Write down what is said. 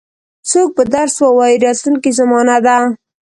څوک به درس ووایي راتلونکې زمانه ده.